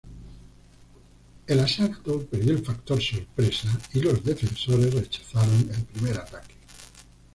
El asalto perdió el factor sorpresa y los defensores rechazaron el primer ataque.